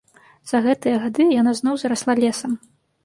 За гэтыя гады яна зноў зарасла лесам.